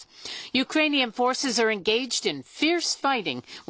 ウクライナ軍。